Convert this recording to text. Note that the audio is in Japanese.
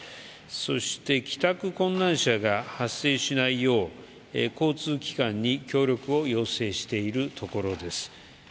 そして帰宅困難者が発生しないよう交通機関に協力を要請しているところです。